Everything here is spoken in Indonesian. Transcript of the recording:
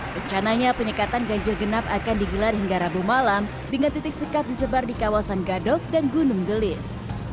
rencananya penyekatan ganjil genap akan digelar hingga rabu malam dengan titik sekat disebar di kawasan gadok dan gunung gelis